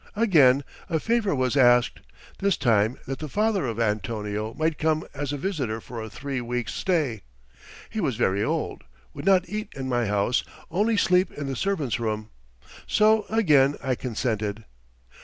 Again a favour was asked, this time that the father of Antonio might come as a visitor for a three weeks' stay. He was very old, would not eat in my house, only sleep in the servants' room, so again I consented.